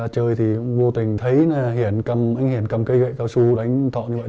thì vô tình thấy anh hiển cầm cây gậy cao su đánh thọ như vậy